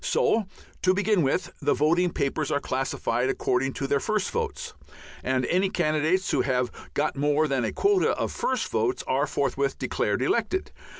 So, to begin with, the voting papers are classified according to their first votes, and any candidates who have got more than a quota of first votes are forthwith declared elected.